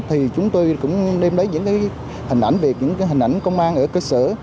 thì chúng tôi cũng đem lấy những cái hình ảnh về những cái hình ảnh công an ở cơ sở